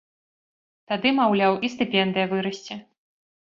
Тады, маўляў, і стыпендыя вырасце.